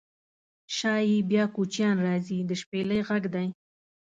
شایي بیا کوچیان راځي د شپیلۍ غږدی